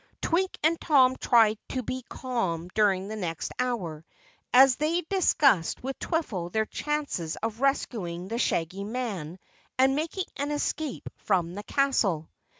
Twink and Tom tried to be calm during the next hour, as they discussed with Twiffle their chances of rescuing the Shaggy Man and making an escape from the castle.